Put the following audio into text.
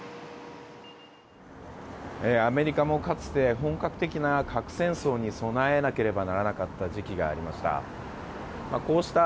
アメリカもかつて本格的な核戦争に備えなければならなかった時期がありました。